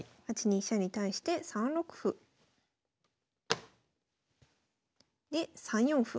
８二飛車に対して３六歩。で３四歩。